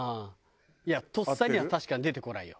とっさには確かに出てこないよ。